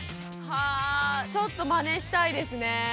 はあちょっとマネしたいですね。